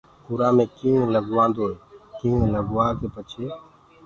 اُرآ مي ڪيڻ لگوآدو ئي ڪيڻ لگوآڪي پڇي